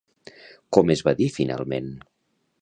Com es va dir finalment?